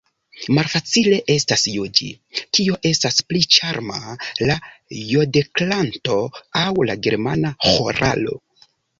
Malfacile estas juĝi, kio estas pli ĉarma, la jodelkanto aŭ la germana ĥoralo.